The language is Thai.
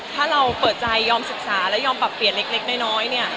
ถ้าเราเปิดใจยอมศึกษาและยอมปรับเปลี่ยนเล็กน้อยเนี่ย